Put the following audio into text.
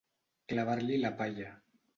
Clavar-li la palla.